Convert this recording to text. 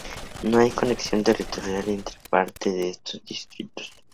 No hay conexión territorial entre parte de estos distritos.